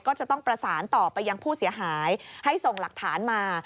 ก็จะต้องประสานต่อไปยังผู้เสียหายให้ส่งหลักฐานมา